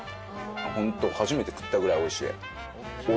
ホント初めて食ったぐらいおいしい。